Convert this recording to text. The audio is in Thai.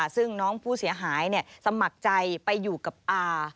ซึ่งน้องผู้เสียหายสมัครใจไปอยู่กับอา